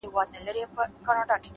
اخلاص د اړیکو بنسټ ټینګوي,